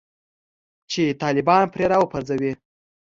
چې طالبان پرې راوپرځوي